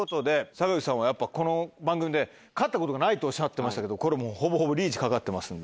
坂口さんはこの番組で勝ったことがないとおっしゃってましたけどほぼほぼリーチかかってますんで。